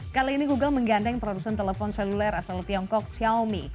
kali ini google menggandeng produsen telepon seluler asal tiongkok xiaomi